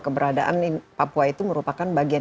keberadaan papua itu merupakan bagian